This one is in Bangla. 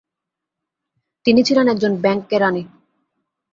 তিনি ছিলেন একজন ব্যাংক কেরানী।